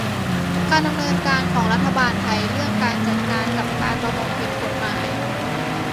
การดำเนินการของรัฐบาลไทยเรื่องการจัดการกับการประมงผิดกฎหมาย